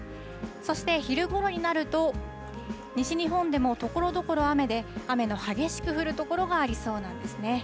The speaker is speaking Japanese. そして昼ごろになると、西日本でもところどころ雨で、雨の激しく降る所がありそうなんですね。